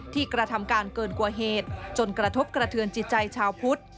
กระทำการเกินกว่าเหตุจนกระทบกระเทือนจิตใจชาวพุทธ